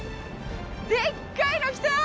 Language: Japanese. でっかいのきた！